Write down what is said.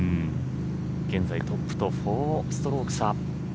現在、トップと４ストローク差。